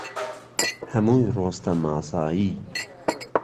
هەمووی ڕۆستەم ئاسایی